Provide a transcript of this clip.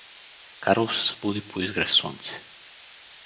Карло се събуди по изгрев слънце.